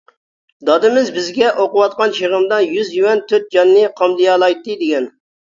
دادىمىز بىزگە:ئوقۇۋاتقان چېغىمدا يۈز يۈەن تۆت جاننى قامدىيالايتتى دېگەن.